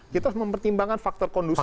kita mempertimbangkan faktor kondusifitas